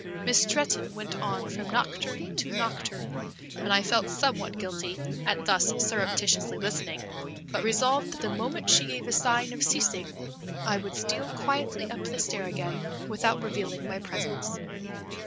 Miss Stretton went on from nocturne to nocturne, and I felt somewhat guilty at thus surreptitiously listening, but resolved that the moment she gave a sign of ceasing I would steal quietly up the stair again without revealing my presence.